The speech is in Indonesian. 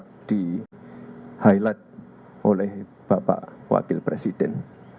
tadi juga sempat di highlight oleh bapak wakil presiden